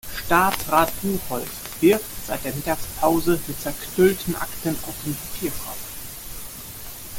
Staatsrat Buchholz wirft seit der Mittagspause mit zerknüllten Akten auf den Papierkorb.